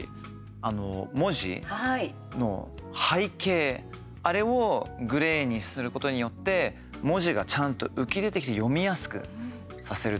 あの文字の背景、あれをグレーにすることによって文字がちゃんと浮き出てきて読みやすくさせると。